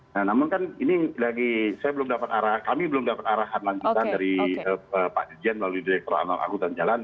nah namun kan ini lagi saya belum dapat arah kami belum dapat arahan lanjutan dari pak dirjen melalui direktur angkutan jalan